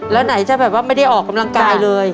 แล้วไหนจะแบบว่าไม่ได้ออกกำลังกายเลย